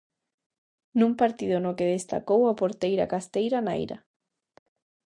Nun partido no que destacou a porteira costeira Naira.